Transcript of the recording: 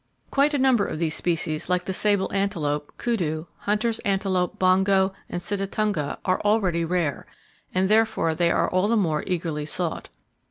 Quite a number of these species, like the sable antelope, kudu, Hunter's antelope, bongo and sitatunga are already rare, and therefore they are all the more eagerly sought.